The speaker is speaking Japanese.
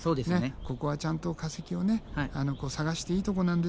ここはちゃんと化石を探していいとこなんですよ